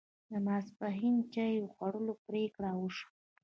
د ماپښین چای خوړلو پرېکړه وشوه.